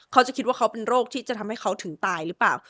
เขาจะคิดว่าเขาเป็นโรคที่จะทำให้เขาถึงตายหรือเปล่า